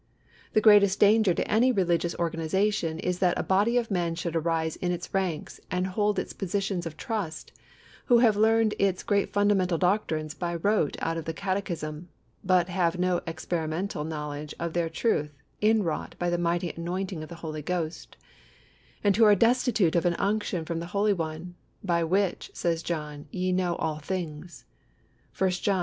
The greatest danger to any religious organisation is that a body of men should arise in its ranks, and hold its positions of trust, who have learned its great fundamental doctrines by rote out of the catechism, but have no experimental knowledge of their truth inwrought by the mighty anointing of the Holy Ghost, and who are destitute of "an unction from the Holy One," by which, says John, "ye know all things" (1 John ii.